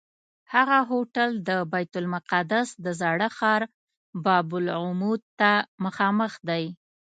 هغه هوټل د بیت المقدس د زاړه ښار باب العمود ته مخامخ دی.